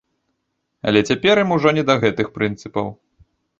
Але цяпер ім ужо не да гэтых прынцыпаў.